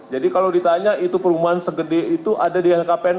jadi kalau ditanya itu perumahan segede itu ada di lhkpn